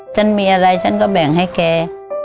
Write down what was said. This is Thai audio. ฉันมีอะไรฉันก็แบ่งให้แก